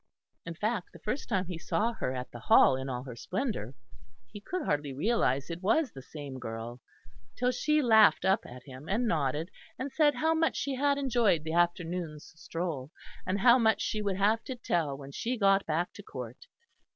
In fact, the first time he saw her at the Hall in all her splendour, he could hardly realise it was the same girl, till she laughed up at him, and nodded, and said how much she had enjoyed the afternoon's stroll, and how much she would have to tell when she got back to Court.